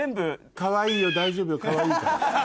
かわいいよ大丈夫よかわいいから。